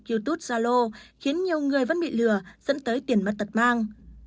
youtube zalo khiến nhiều người vẫn bị lừa dẫn tới tiền mất tật mang